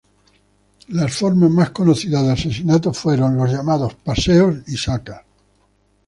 Las formas más conocidas de asesinatos fueron los llamados "paseos" y "sacas".